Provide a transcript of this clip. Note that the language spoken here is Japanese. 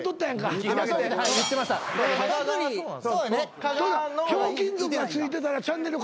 『ひょうきん族』がついてたらチャンネル変えたらしいから。